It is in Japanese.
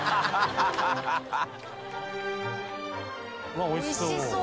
わっおいしそう。